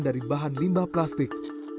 dari bahan limbah plastik